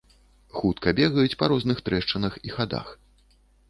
Хутка бегаюць па розных трэшчынах і хадах.